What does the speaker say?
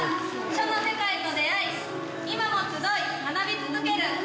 書の世界と出逢い今も集い学び続ける。